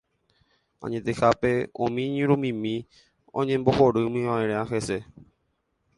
Añetehápe, umi iñirũmimi oñembohorýmiva'erã hese.